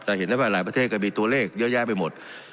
แต่เห็นได้ว่าหลายประเทศก็มีตัวเลขเยอะแยะไปหมด